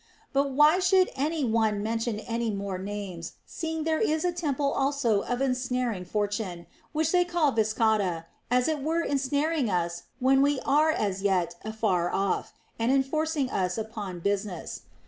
But why should any one men tion any more names, seeing there is a temple also of Ensnaring Fortune, which they name Viscata, as it were ensnaring us when we are as yet afar off, and enforcing us upon business.